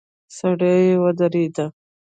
سړی ودرید.